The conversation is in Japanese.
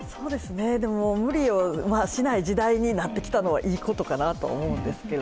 無理をしない時代になってきたのは、いいことかなと思うんですけど。